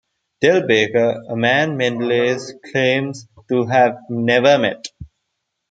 Del' Baker, a man Melendez claims to have never met.